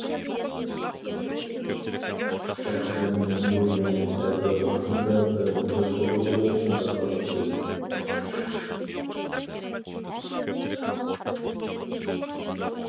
شەخسەن مەنمۇ يېڭى ئەزا ۋاقتىمدا بەزى باشقۇرغۇچىلار شۇنداق قىلاتتى.